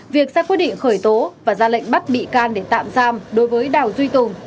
việc ra quyết định khởi tố và ra lệnh bắt bị can để tạm giam đối với đào duy tùng